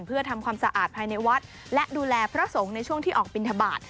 เพื่อทำความสะอาดภายในวัดและดูแลพระสงฆ์ในช่วงที่ออกบินทบาท